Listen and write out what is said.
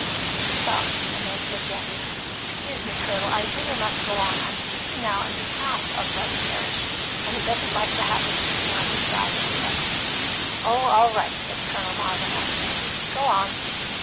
He stopped, and then said gently "Excuse me, Colonel; I really must go on. I'm speaking now in behalf of Brother Gerrish, and he doesn't like to have the speaking on his side interrupted." "Oh, all right," said Colonel Marvin amiably; "go on."